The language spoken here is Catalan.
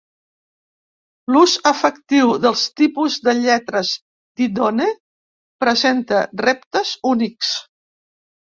L'ús efectiu dels tipus de lletres Didone presenta reptes únics.